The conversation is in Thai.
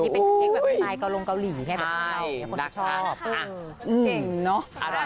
เค้กแบบใหม่ไปไหลกับโลงเกาหลีแค่แบบเก่า